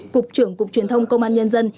cục trưởng cục truyền thông công an nhân dân